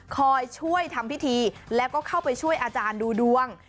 คอยช่วยทำพิธีแล้วก็เข้าไปช่วยอาจารย์ดูดวง